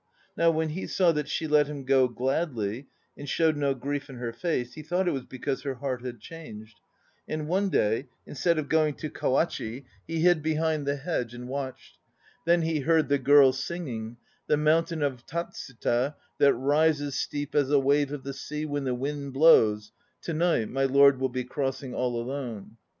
Now when he saw that she let him go gladly and showed no grief in her face, he thought it was because her heart had changed. And one day, instead of going to Kawachi, he hid behind the hedge and watched. Then he heard the girl singing: "The mountain of Tatsuta that rises Steep as a wave of the sea when the wind blows To night my lord will be crossing all alone!"